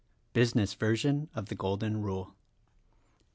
— Business version of the Golden Rule.